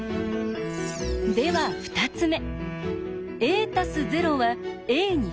では２つ目。